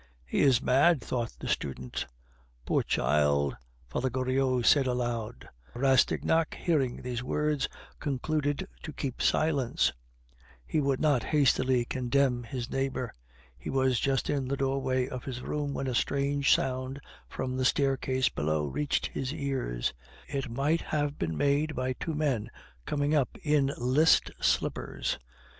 "He is mad," thought the student. "Poor child!" Father Goriot said aloud. Rastignac, hearing those words, concluded to keep silence; he would not hastily condemn his neighbor. He was just in the doorway of his room when a strange sound from the staircase below reached his ears; it might have been made by two men coming up in list slippers.